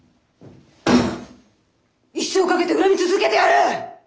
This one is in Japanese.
一生かけて恨み続けてやる！